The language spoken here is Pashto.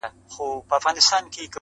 خو نښې نه پاکوي،